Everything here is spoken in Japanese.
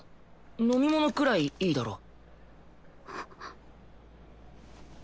飲み物くらいいいだろう？